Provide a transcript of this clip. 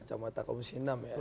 kacamata komisi enam ya